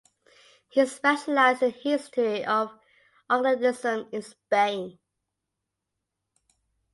He is specialised in the history of anarchism in Spain.